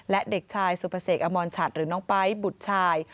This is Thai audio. และเด็กชายสุพเศกอมรชัตต์หรือน้องป้ายบุตรชาย